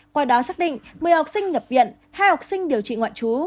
qua đó xác định một mươi học sinh nhập viện hai học sinh điều trị ngoại trú